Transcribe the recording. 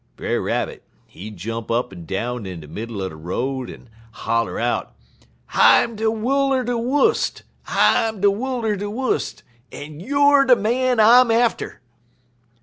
Brer Rabbit, he jump up en down in de middle er de road, en holler out: "'I'm de Wull er de Wust. I'm de Wull er de Wust, en youer de man I'm atter!'